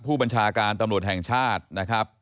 ผู้บัญชาการตำรวจแห่งชาตินะครับ